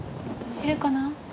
いるかな？